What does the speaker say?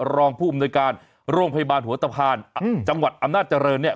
รองผู้อำนวยการโรงพยาบาลหัวตะพานจังหวัดอำนาจเจริญเนี่ย